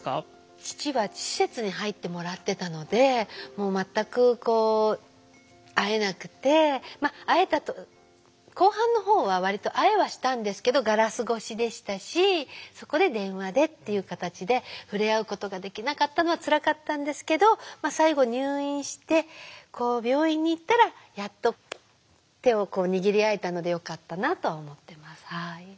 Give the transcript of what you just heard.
父は施設に入ってもらってたので全くこう会えなくて会えたと後半のほうは割と会えはしたんですけどガラス越しでしたしそこで電話でっていう形で触れ合うことができなかったのはつらかったんですけど最後入院して病院に行ったらやっと手を握り合えたのでよかったなとは思ってます。